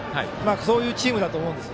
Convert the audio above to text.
そういうチームだと思うんです。